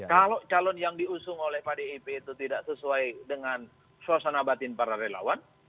kalau calon yang diusung oleh pdip itu tidak sesuai dengan suasana batin para relawan